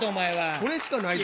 それしかないぞ。